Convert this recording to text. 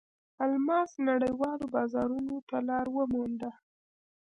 الماس نړیوالو بازارونو ته لار ومونده.